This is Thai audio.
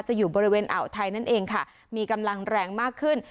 อยู่บริเวณอ่าวไทยนั่นเองค่ะมีกำลังแรงมากขึ้น